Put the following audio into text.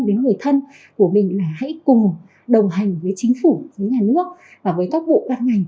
với người thân của mình là hãy cùng đồng hành với chính phủ với nhà nước và với các vụ các ngành